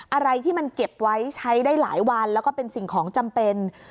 อะไรที่มันเก็บไว้ใช้ได้หลายวันแล้วก็เป็นสิ่งของจำเป็น